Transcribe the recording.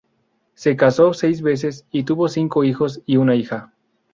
Se casó seis veces y tuvo cinco hijos y una hija.